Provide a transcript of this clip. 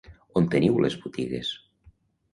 On teniu les botigues?